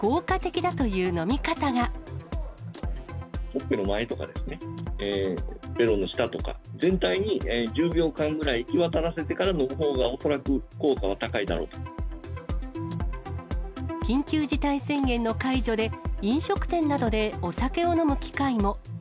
ほっぺの周りとか、べろの下とか全体に１０秒間ぐらい行きわたらせてから飲むほうが緊急事態宣言の解除で、飲食店などでお酒を飲む機会も。